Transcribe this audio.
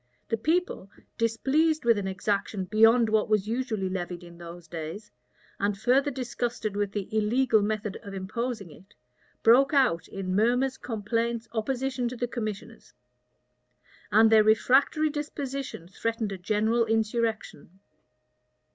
The people, displeased with an exaction beyond what was usually levied in those days, and further disgusted with the illegal method of imposing it, broke out in murmurs, complaints, opposition to the commissioners; and their refractory disposition threatened a general insurrection.